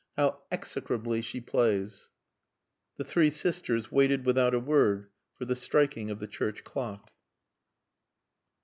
"How execrably she plays." The three sisters waited without a word for the striking of the church clock.